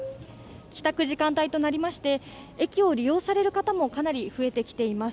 帰宅時間帯となりまして、駅を利用される方もかなり増えてきています。